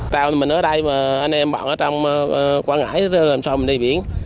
tàu mình ở đây mà anh em bọn ở trong quảng ngãi làm sao mình đi biển